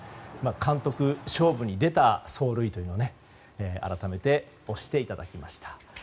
監督、勝負に出た走塁というのを改めて推していただきました。